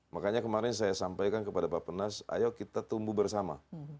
makanya kemarin saya sampaikan kepada bapak penas ayo kita tumbuh bersama